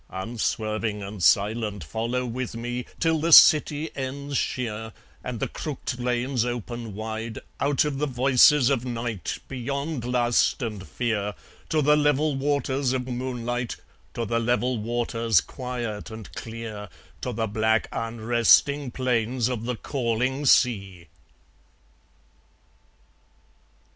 Unswerving and silent follow with me, Till the city ends sheer, And the crook'd lanes open wide, Out of the voices of night, Beyond lust and fear, To the level waters of moonlight, To the level waters, quiet and clear, To the black unresting plains of the calling sea.